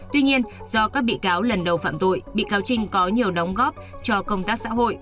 tuy nhiên do các bị cáo lần đầu phạm tội bị cáo trinh có nhiều đóng góp cho công tác xã hội